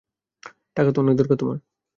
টাকার তো অনেক দরকার তোমার।